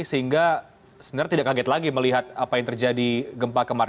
sehingga sebenarnya tidak kaget lagi melihat apa yang terjadi gempa kemarin